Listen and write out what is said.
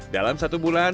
dalam satu bulan